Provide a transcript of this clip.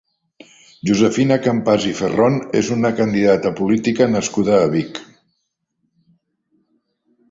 Josefina Campàs i Ferrón és un candidata política nascut a Vic.